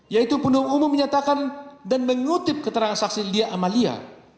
yaitu penduduk umum menyatakan dan mengutip keterangan saksi lia amalia